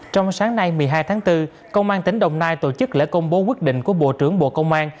trong sáng nay một mươi hai tháng bốn công an tỉnh đồng nai tổ chức lễ công bố quyết định của bộ trưởng bộ công an